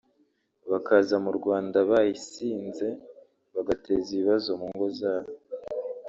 bakaza mu Rwanda bayisinze bagateza ibibazo mu ngo zabo